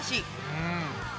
うん。